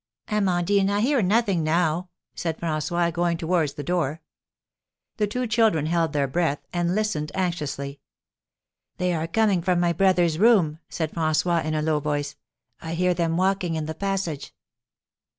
"Amandine, I hear nothing now," said François, going towards the door. The two children held their breath, and listened anxiously. "They are coming from my brother's room," said François, in a low voice; "I hear them walking in the passage."